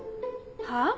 はあ？